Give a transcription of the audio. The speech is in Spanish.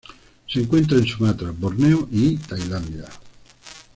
Se encuentra en Sumatra, Borneo y Tailandia.